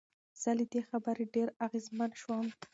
زه له دې خبرې ډېر اغېزمن شوم.